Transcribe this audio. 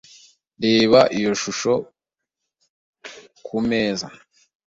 Reba iyo shusho kumeza .